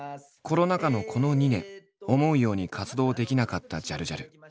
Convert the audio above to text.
コロナ禍のこの２年思うように活動できなかったジャルジャル。